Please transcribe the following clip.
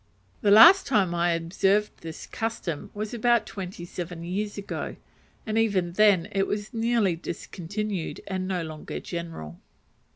The last time I observed this custom was about twenty seven years ago, and even then it was nearly discontinued and no longer general.